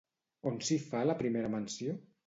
On s'hi fa la primera menció?